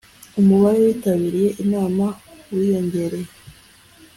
umubare wabitabiriye inama wiyongereye